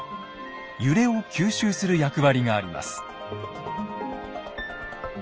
揺れを吸収する役割があります。